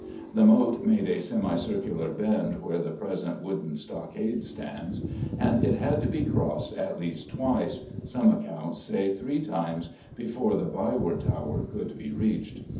The Moat made a semicircular bend where the present wooden stockade stands, and it had to be crossed at least twice some accounts say three times before the Byward Tower could be reached.